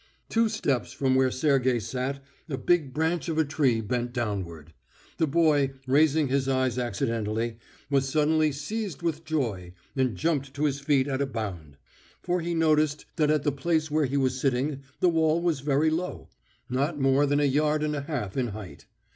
Two steps from where Sergey sat a big branch of a tree bent downward. The boy, raising his eyes accidentally, was suddenly seized with joy and jumped to his feet at a bound, for he noticed that at the place where he was sitting the wall was very low, not more than a yard and a half in height.